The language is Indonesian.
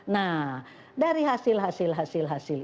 nah dari hasil hasil